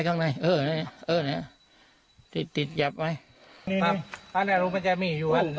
ท่านอายุมันจะมีเหรอนี่